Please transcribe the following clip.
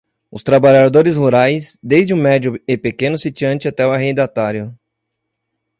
Os trabalhadores rurais, desde o médio e pequeno sitiante até o arrendatário